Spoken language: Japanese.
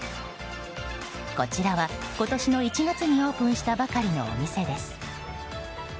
こちらは今年の１月にオープンしたばかりのお店です。